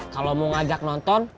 kalau mau ngajak nonton